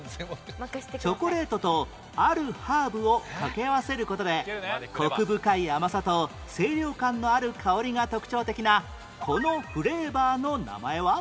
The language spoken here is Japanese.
チョコレートとあるハーブを掛け合わせる事でコク深い甘さと清涼感のある香りが特徴的なこのフレーバーの名前は？